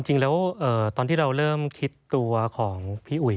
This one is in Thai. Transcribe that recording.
จริงแล้วตอนที่เราเริ่มคิดตัวของพี่อุ๋ย